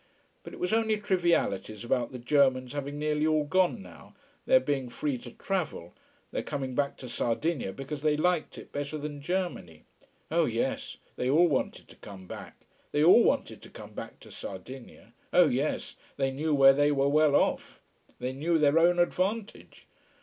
But it was only trivialities about the Germans having nearly all gone now, their being free to travel, their coming back to Sardinia because they liked it better than Germany. Oh yes they all wanted to come back. They all wanted to come back to Sardinia. Oh yes, they knew where they were well off. They knew their own advantage.